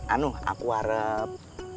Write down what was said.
anu aku arep